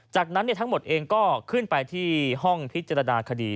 จากนั้นทั้งหมดเองก็ขึ้นไปที่ห้องพิจารณาคดี